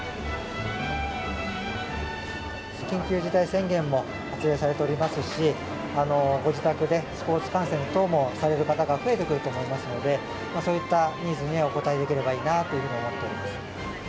緊急事態宣言も発令されておりますし、ご自宅でスポーツ観戦等もされる方が増えてくると思いますので、そういったニーズにお応えできればいいなというふうに思っております。